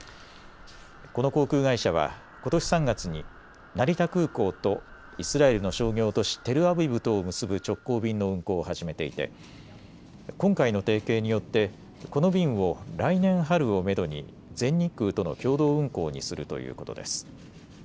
この航空会社はことし３月に成田空港とイスラエルの商業都市、テルアビブとを結ぶ直行便の運航を始めていて今回の提携によってこの便を来年春をめどに全日空との共同運航にするということです。